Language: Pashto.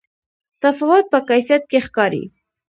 تفاوت په کیفیت کې ښکاري.